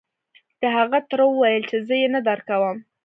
د هغه تره وويل چې زه يې نه درکوم.